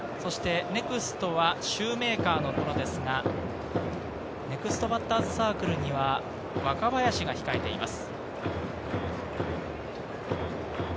ネクストはシューメーカーのところですが、ネクストバッターズサークルには若林が控えています。